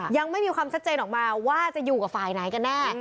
ยังไม่มีความชัดเจนออกมาว่าจะอยู่กับฝ่ายไหนกันแน่